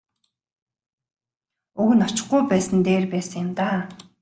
Уг нь очихгүй байсан нь дээр байсан юм даа.